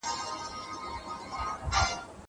زه به سبا بازار ته ولاړ سم.